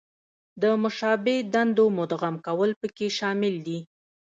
د مشابه دندو مدغم کول پکې شامل دي.